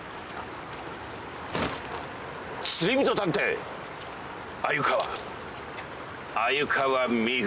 釣り人探偵鮎川鮎川御船。